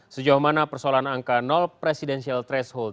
sejauh mana persoalan angka presidensial threshold